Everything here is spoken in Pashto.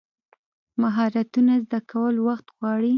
مهارتونه زده کول وخت غواړي.